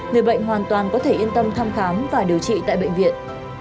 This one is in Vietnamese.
người bệnh hoàn toàn có thể yên tâm thăm khám và điều trị tại bệnh viện